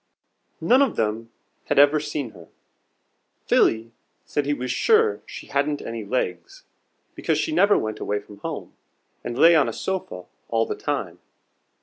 None of them had ever seen her. Philly said he was sure she hadn't any legs, because she never went away from home, and lay on a sofa all the time.